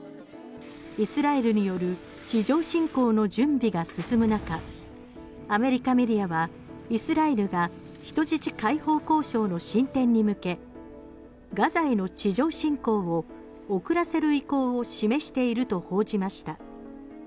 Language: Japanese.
イスラエルによる地上侵攻の準備が進む中アメリカメディアはイスラエルが人質解放交渉の進展に向けガザへの地上侵攻を遅らせる意向を示していると報じました。